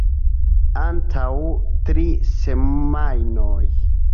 Antaŭ tri semajnoj.